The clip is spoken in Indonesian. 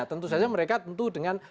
tentu saja mereka tentu dengan